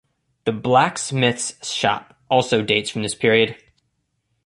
The Blacksmith's Shop also dates from this period.